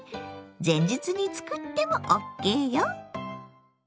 前日に作ってもＯＫよ。